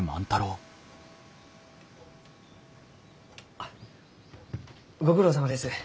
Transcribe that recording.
あっご苦労さまです。